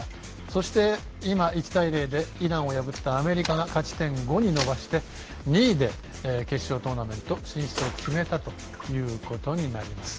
そして、今、１対０でイランを破ったアメリカが勝ち点５に伸ばして２位で決勝トーナメント進出を決めたということになります。